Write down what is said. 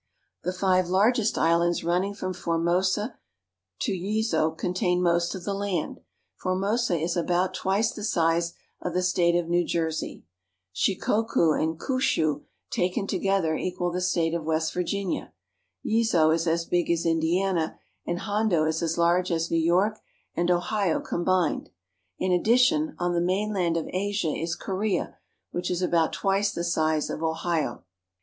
The five largest islands running from Formosa to Yezo contain most of the land. Formosa is about twice the size of the state of New Jersey, Shikoku and Kiushu taken together equal the state of West Virginia, Yezo is as big as Indiana, and Hondo is as The Ainos live in rude huts — large as New York and Ohio combined. In addition, on the mainland of Asia is Korea, which is about twice the size of Ohio.